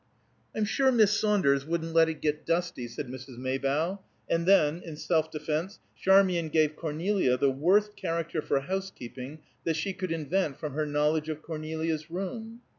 "I'm sure Miss Saunders wouldn't let it get dusty," said Mrs. Maybough, and then, in self defence, Charmian gave Cornelia the worst character for housekeeping that she could invent from her knowledge of Cornelia's room.